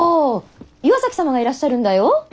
岩崎様がいらっしゃるんだよ！